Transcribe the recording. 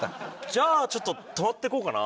じゃあちょっと泊まっていこうかな。